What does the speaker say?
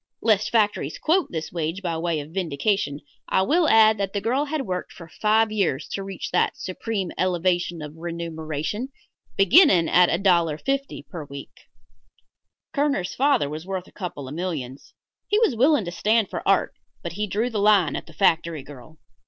Lest factories quote this wage by way of vindication, I will add that the girl had worked for five years to reach that supreme elevation of remuneration, beginning at $1.50 per week. Kerner's father was worth a couple of millions He was willing to stand for art, but he drew the line at the factory girl.